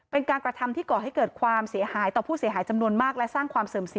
เป็นการกระทำแรกที่ก่อให้เกิดความเสียหายต่อผู้เสียหายจำนวนมาก